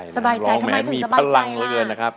สบายใจทำไมมีพลังเหลือเกินนะครับ